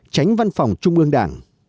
tránh văn phòng trung ương đảng